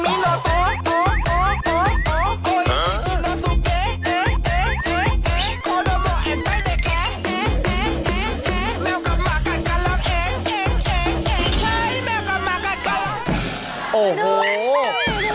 โอ้โหดูดูตำแหน่งของสัง